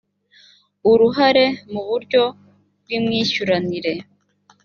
uruhare mu buryo bw imyishyuranire